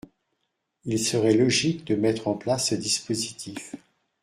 Il serait logique de mettre en place ce dispositif.